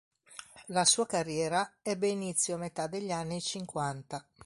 La sua carriera ebbe inizio a metà degli anni cinquanta.